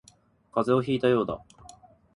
風邪をひいたようだ